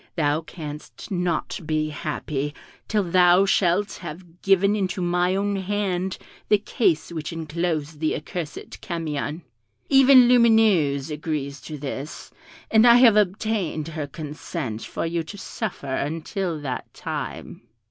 Thou canst not be happy till thou shalt have given into my own hand the case which enclosed the accursed Camion. Even Lumineuse agrees to this, and I have obtained her consent for you to suffer until that time."